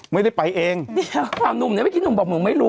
เมื่อกี้หนุ่มบอกหนุ่มไม่รู้